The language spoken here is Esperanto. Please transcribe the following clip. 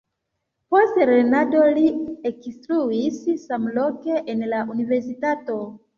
Post lernado li ekinstruis samloke en la universitato.